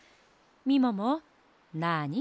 みももなに？